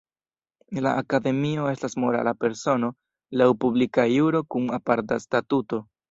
La Akademio estas morala persono laŭ publika juro kun aparta statuto.